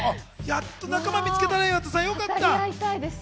やっと仲間見つけたね、よかった。